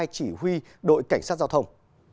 hai chỉ huy đội cảnh sát giao thông